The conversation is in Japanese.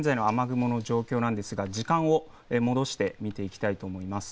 現在の雨雲の状況なんですが時間を戻して見ていきたいと思います。